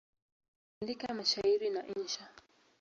Hasa aliandika mashairi na insha.